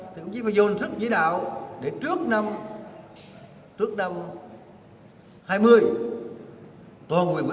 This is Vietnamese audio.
thì cũng chỉ phải dùng sức chỉ đạo để trước năm trước năm hai mươi tôn quyền vĩnh bảo đồng quyền nông thôn mới